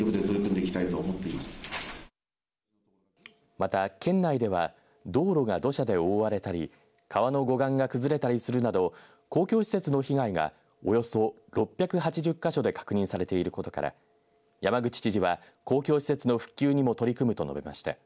また、県内では道路が土砂で覆われたり川の護岸が崩れたりするなど公共施設の被害がおよそ６８０か所で確認されていることから山口知事は、公共施設の復旧にも取り組むと述べました。